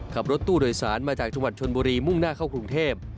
ขับรถตู้โดยสารมาจากจังหวัดชนบุรีมุ่งหน้าเข้ากรุงเทพ